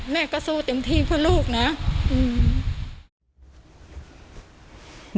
แม่ก็สู้เต็มที่เพื่อลูกนะอืม